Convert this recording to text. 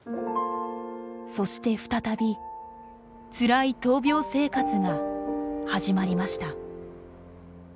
そして再びつらい闘病生活が始まりました。